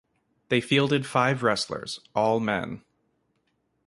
They fielded five wrestlers, all men.